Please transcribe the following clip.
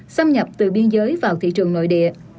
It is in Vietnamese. xâm nhập từ biên giới vào thị trường nội địa